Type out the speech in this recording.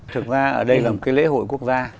thực ra ở đây là một cái lễ hội quốc gia